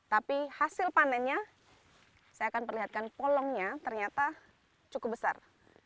tapi hasil panennya saya akan perlihatkan polongnya ternyata cukup besar